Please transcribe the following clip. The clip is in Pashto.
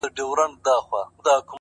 د ټپې په رزم اوس هغه ده پوه سوه ـ